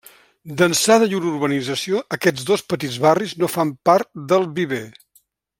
D'ençà de llur urbanització, aquests dos petits barris no fan part del Viver.